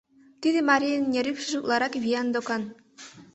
Тиде марийын нерӱпшыжӧ утларакат виян докан.